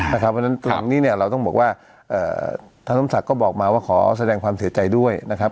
เพราะฉะนั้นตรงนี้เนี่ยเราต้องบอกว่าท่านสมศักดิ์ก็บอกมาว่าขอแสดงความเสียใจด้วยนะครับ